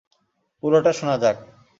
পুরোটা শোনা যাক।